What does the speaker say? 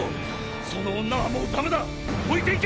その女はもうダメだ置いていけ！